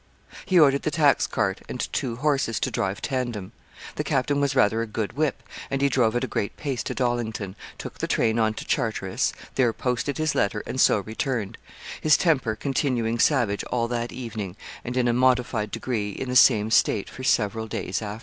He ordered the tax cart and two horses to drive tandem. The captain was rather a good whip, and he drove at a great pace to Dollington, took the train on to Charteris, there posted his letter, and so returned; his temper continuing savage all that evening, and in a modified degree in the same state for several days after.